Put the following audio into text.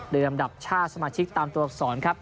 อันดับชาติสมาชิกตามตัวอักษรครับ